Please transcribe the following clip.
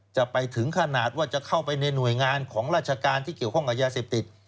จะไปถึงขนาดว่าจะเข้าไปในหน่วยงานของราชการที่เกี่ยวข้องกับยาเสพติด